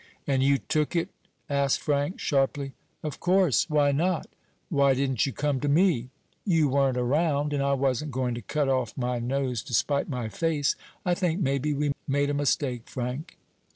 "And you took it?" asked Frank, sharply. "Of course. Why not?" "Why didn't you come to me?" "You weren't around, and I wasn't going to cut off my nose to spite my face. I think maybe we made a mistake, Frank."